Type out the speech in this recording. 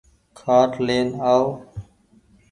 کآٽ لين آئو۔